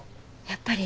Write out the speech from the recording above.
やっぱり？